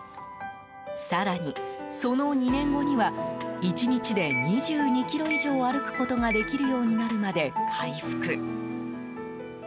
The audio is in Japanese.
更に、その２年後には１日で２２ｋｍ以上歩くことができるようになるまで回復。